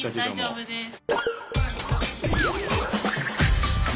大丈夫です。